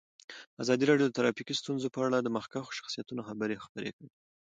ازادي راډیو د ټرافیکي ستونزې په اړه د مخکښو شخصیتونو خبرې خپرې کړي.